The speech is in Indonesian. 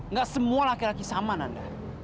nggak semua laki laki sama nanda